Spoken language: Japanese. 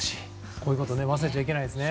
こういうことを忘れちゃいけないですね。